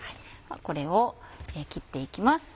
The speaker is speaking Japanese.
これを切っていきます。